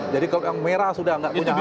jadi kalau yang merah sudah nggak ada harapan